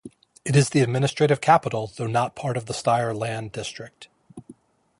It is the administrative capital, though not part of Steyr-Land District.